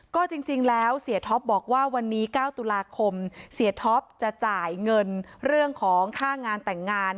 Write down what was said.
ก็จริงแล้วเสียท็อปบอกว่าวันนี้๙ตุลาคมเสียท็อปจะจ่ายเงินเรื่องของค่างานแต่งงาน